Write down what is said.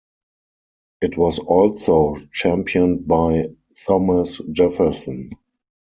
It was also championed by Thomas Jefferson.